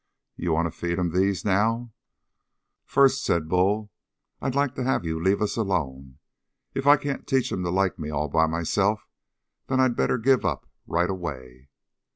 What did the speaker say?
"You want to feed him these now?" "First," said Bull, "I'd like to have you leave us alone. If I can't teach him to like me all by myself, then I'd better give up right away."